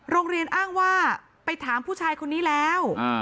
โรงเรียนอ้างว่าไปถามผู้ชายคนนี้แล้ว